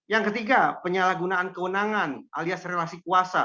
yang ketiga penyalahgunaan kewenangan alias relasi kuasa